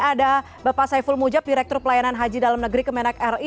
ada bapak saiful mujab direktur pelayanan haji dalam negeri kemenang ri